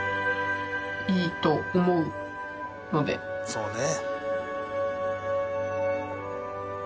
そうね。